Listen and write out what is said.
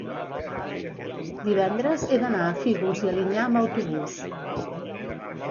divendres he d'anar a Fígols i Alinyà amb autobús.